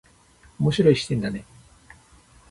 面白い視点だね。